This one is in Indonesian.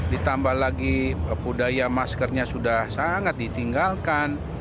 ditambah lagi budaya maskernya sudah sangat ditinggalkan